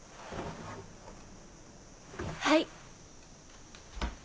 はい。